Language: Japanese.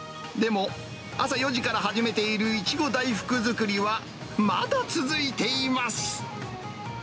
でも、朝４時から始めている苺大福作りはまだ続いています。